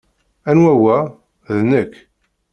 Anwa wa?" "D nekk.